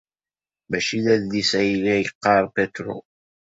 Maci d adlis ay la yeqqar Petro.